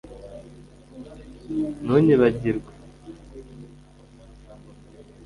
ntunyibagirwe